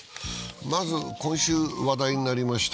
まず今週話題になりました